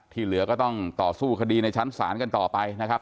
เหลือก็ต้องต่อสู้คดีในชั้นศาลกันต่อไปนะครับ